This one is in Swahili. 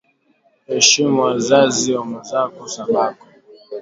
Heshimu wa zazi wa mwenzako sa bako